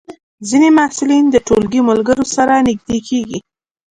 ځینې محصلین د ټولګي ملګرو سره نږدې کېږي.